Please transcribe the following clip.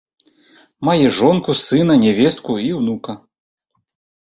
Мае жонку, сына, нявестку і ўнука.